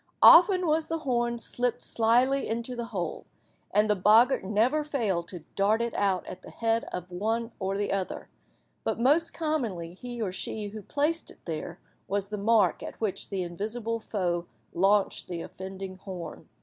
Often was the horn slipped slyly into the hole, and the boggart never failed to dart it out at the head of one or the other, but most commonly he or she who placed it there was the mark at which the invisible foe launched the offending horn.